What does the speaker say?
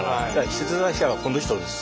出題者はこの人です。